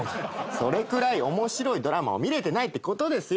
それくらい面白いドラマを見られてないってことですよ。